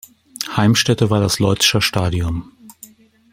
Heimstätte war das Leutzscher Stadion.